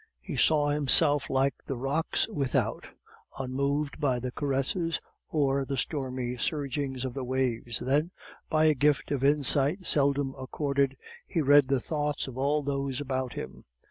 He saw himself like the rocks without, unmoved by the caresses or the stormy surgings of the waves. Then, by a gift of insight seldom accorded, he read the thoughts of all those about him.